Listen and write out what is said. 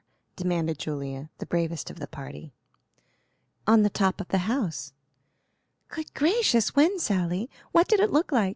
demanded Julia, the bravest of the party. "On the top of the house." "Good gracious! When, Sally?" "What did it look like?"